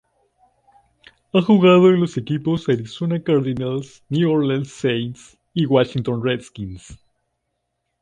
Ha jugado en los equipos Arizona Cardinals, New Orleans Saints y Washington Redskins.